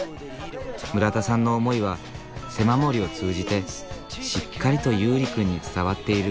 村田さんの思いは背守りを通じてしっかりと悠里君に伝わっている。